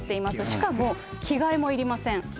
しかも着替えもいりません。